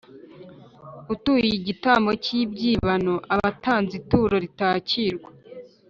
Utuye igitambo cy’ibyibano aba atanze ituro ritakirwa,